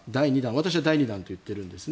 私は第２弾と言っているんですね。